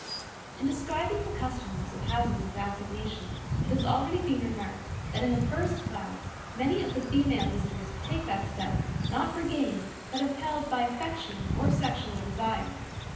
In describing the customers of houses of assignation, it has already been remarked that in the first class many of the female visitors take that step, not for gain, but impelled by affection or sexual desire.